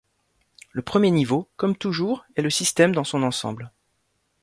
Le premier niveau, comme toujours, est le système dans son ensemble.